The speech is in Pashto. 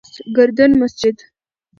گردن مسجد: